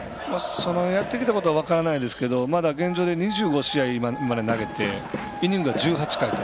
やってきたことは分からないですけどまだ現状で２５試合投げてイニングは１８回と。